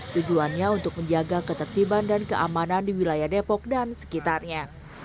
tujuannya untuk menjaga ketertiban dan keamanan di wilayah depok dan sekitarnya